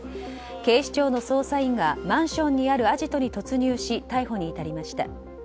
警視庁の捜査員がマンションにあるアジトに突入し逮捕に至りました。